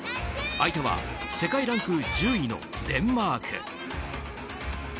相手は世界ランク１０位のデンマーク。